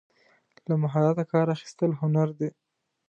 له مهارته کار اخیستل هنر دی.